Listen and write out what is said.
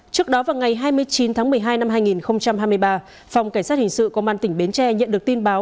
trước đó vào ngày hai mươi chín tháng một mươi hai năm hai nghìn hai mươi ba phòng cảnh sát hình sự công an tỉnh bến tre nhận được tin báo